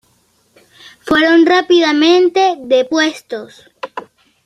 Fueron rápidamente depuestos.